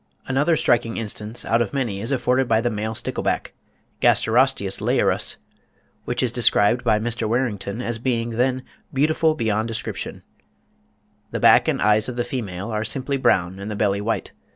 Another striking instance out of many is afforded by the male stickleback (Gasterosteus leiurus), which is described by Mr. Warington (25. 'Annals and Mag. of Nat. Hist.' Oct. 1852.), as being then "beautiful beyond description." The back and eyes of the female are simply brown, and the belly white.